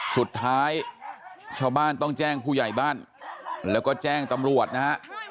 สุดท้ายชาวบ้านต้องแจ้งผู้ใหญ่บ้านแล้วก็แจ้งตำรวจนะฮะ